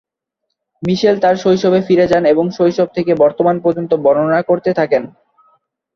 মিশেল তার শৈশবে ফিরে যান এবং শৈশব থেকে বর্তমান পর্যন্ত বর্ণনা করতে থাকেন।